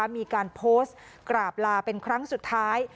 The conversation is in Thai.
มีการโพสต์กราบลาเป็นครั้งสุดท้าย